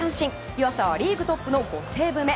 湯浅はリーグトップの５セーブ目。